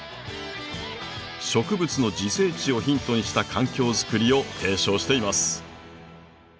植物の自生地をヒントにした環境づくりを提唱しています。